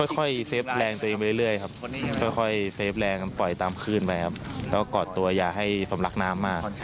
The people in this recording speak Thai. เซฟแรงตัวเองไปเรื่อยครับค่อยเฟฟแรงปล่อยตามคลื่นไปครับแล้วก็กอดตัวอย่าให้สมรักน้ำมาก